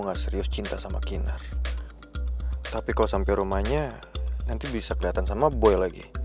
nggak serius cinta sama kinar tapi kalau sampai rumahnya nanti bisa kelihatan sama boy lagi